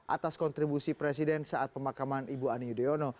atas kontribusi presiden saat pemakaman ibu ani yudhoyono